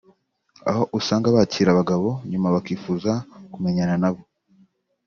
aho usanga bakira abagabo nyuma bakifuza kumenyana nabo